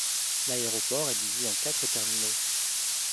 L'aéroport est divisé en quatre terminaux.